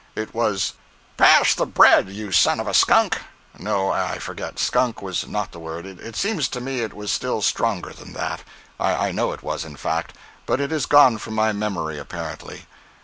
It was: "Pass the bread, you son of a skunk!" No, I forget—skunk was not the word; it seems to me it was still stronger than that; I know it was, in fact, but it is gone from my memory, apparently.